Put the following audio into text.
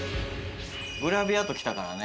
グラビアときたからね。